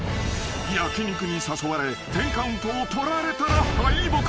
［焼き肉に誘われ１０カウントを取られたら敗北］